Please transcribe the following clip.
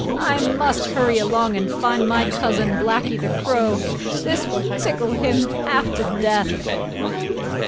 ho! I must hurry along and find my cousin, Blacky the Crow. This will tickle him half to death."